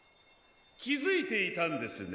きづいていたんですね。